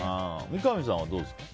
三上さんは、どうですか？